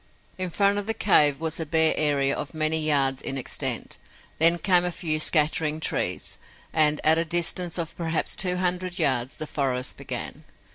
In front of the cave was a bare area of many yards in extent, then came a few scattering trees and, at a distance of perhaps two hundred yards, the forest began.